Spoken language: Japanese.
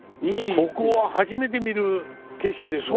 ここは初めて見る景色ですね。